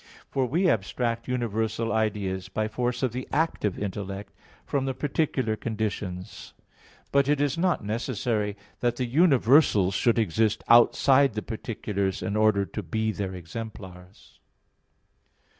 For we abstract universal ideas by force of the active intellect from the particular conditions; but it is not necessary that the universals should exist outside the particulars in order to be their exemplars.